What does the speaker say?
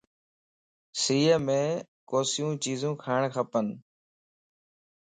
سيءَ مَ ڪوسيون چيزيون کاڻ کپن